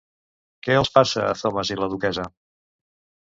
Què els passa al Thomas i la Duquessa?